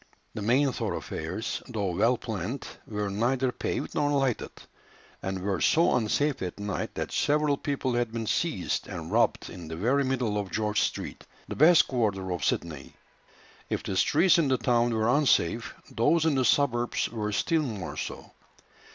The main thoroughfares, though well planned, were neither paved nor lighted, and were so unsafe at night, that several people had been seized and robbed in the very middle of George Street, the best quarter of Sydney. If the streets in the town were unsafe, those in the suburbs were still more so.